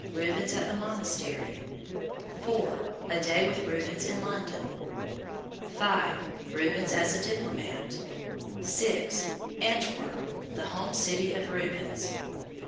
Rubens at the Monastery. 4. A Day with Rubens in London. 5. Rubens as a Diplomat. 6. Antwerp, the Home City of Rubens.